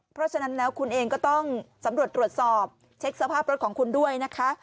เพราะฉะนั้นแล้วคุณเองก็ต้องสำรวจตรวจสอบเช็คสภาพรถของคุณด้วยนะคะ